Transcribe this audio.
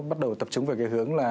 bắt đầu tập trung vào cái hướng là